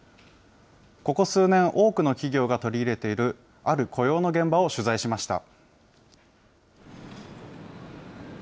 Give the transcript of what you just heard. ここ数年、多くの企業が取り入れているある雇用の現場を取材しました。